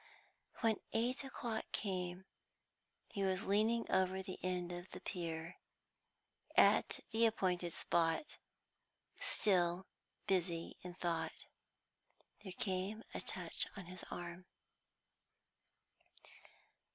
When eight o'clock came, he was leaning over the end of the pier, at the appointed spot, still busy in thought. There came a touch on his arm.